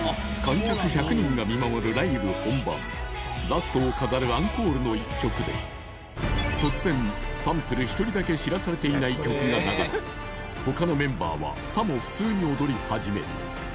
ラストを飾るアンコールの１曲で突然サンプル１人だけ知らされていない曲が流れ他のメンバーはさも普通に踊り始める